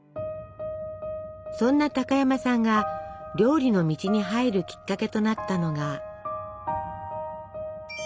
そんな高山さんが料理の道に入るきっかけとなったのが。